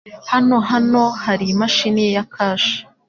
Hano hano hari imashini ya cash?